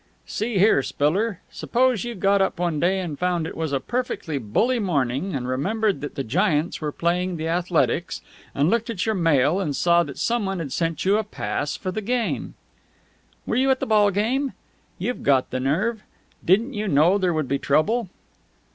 "See here, Spiller, suppose you got up one day and found it was a perfectly bully morning, and remembered that the Giants were playing the Athletics, and looked at your mail, and saw that someone had sent you a pass for the game " "Were you at the ball game? You've got the nerve! Didn't you know there would be trouble?"